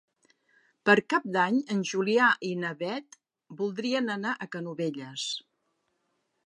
Per Cap d'Any en Julià i na Beth voldrien anar a Canovelles.